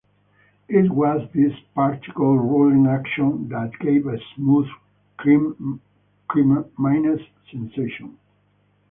It was this particle rolling action that gave a smooth creaminess sensation.